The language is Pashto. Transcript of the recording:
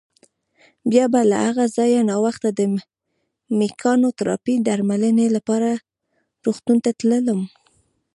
بیا به له هغه ځایه ناوخته د مېکانوتراپۍ درملنې لپاره روغتون ته تلم.